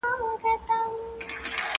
څو شپې دي چي قاضي او محتسب په لار کي وینم!.